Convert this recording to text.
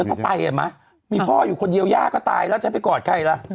แล้วเขาไปเห็นไหมมีพ่ออยู่คนเดียวยากก็ตายแล้วจะไปกอดใครล่ะ